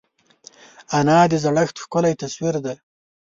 انا د زړښت ښکلی تصویر ده